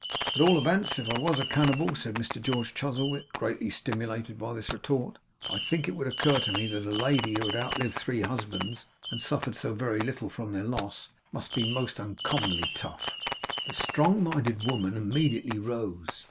'At all events, if I was a cannibal,' said Mr George Chuzzlewit, greatly stimulated by this retort, 'I think it would occur to me that a lady who had outlived three husbands, and suffered so very little from their loss, must be most uncommonly tough.' The strong minded woman immediately rose.